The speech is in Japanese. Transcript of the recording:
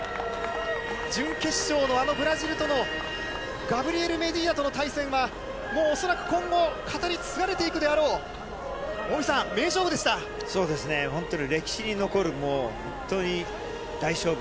準決勝のあのブラジルとの、ガブリエル・メディーナとの対戦は、もう恐らく今後、語り継がれ本当に歴史に残る、本当に大勝負。